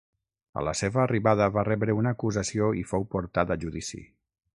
A la seva arribada va rebre una acusació i fou portat a judici.